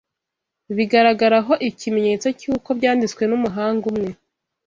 bigaragaraho ikimenyetso cy’uko byanditswe n’umuhanga umwe,